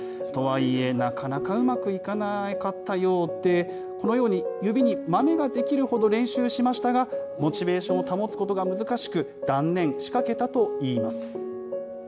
とはいえ、なかなかうまくいかなかったようで、このように指にまめが出来るほど練習しましたが、モチベーションを保つことが難しく、断念しかけたといいます。